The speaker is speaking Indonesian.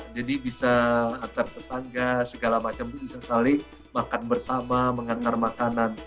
jadi bisa antar tetangga segala macam itu bisa saling makan bersama mengangkar makanan